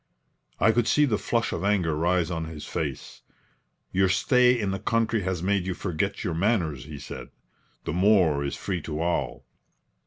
I could see the flush of anger rise on his face. "Your stay in the country has made you forget your manners," he said. "The moor is free to all."